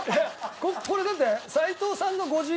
これだって。